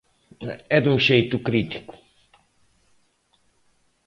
E dun xeito crítico.